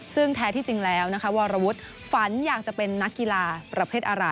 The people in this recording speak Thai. ซึ่งแท้ที่จริงแล้วนะคะวรวุฒิฝันอยากจะเป็นนักกีฬาประเภทอะไร